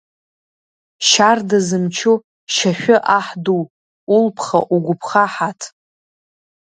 Шьарда зымчу Шьашәы аҳ ду, улԥха-угәыԥха ҳаҭ.